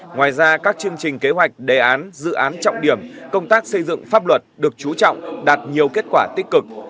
ngoài ra các chương trình kế hoạch đề án dự án trọng điểm công tác xây dựng pháp luật được chú trọng đạt nhiều kết quả tích cực